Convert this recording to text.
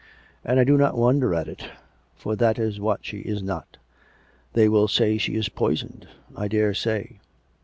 And I do not wonder at it; for that is what she is not. They will say she is poisoned, I dare say.